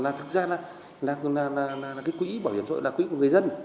là thực ra là cái quỹ bảo hiểm xã hội là quỹ của người dân